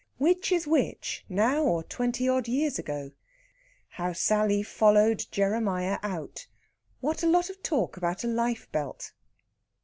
WHICH IS WHICH, NOW OR TWENTY ODD YEARS AGO? HOW SALLY FOLLOWED JEREMIAH OUT. WHAT A LOT OF TALK ABOUT A LIFE BELT!